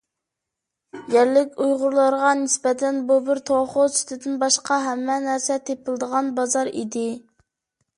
يەرلىك ئۇيغۇرلارغا نىسبەتەن، بۇ بىر «توخۇ سۈتىدىن باشقا ھەممە نەرسە تېپىلىدىغان بازار» ئىدى.